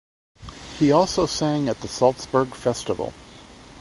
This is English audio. He also sang at the Salzburg Festival.